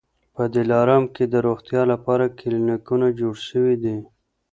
په دلارام کي د روغتیا لپاره کلینیکونه جوړ سوي دي